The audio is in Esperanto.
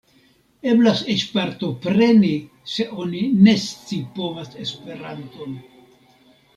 Eblas eĉ partopreni se oni ne scipovas Esperanton.